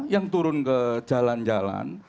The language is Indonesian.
yang turun ke jalan jalan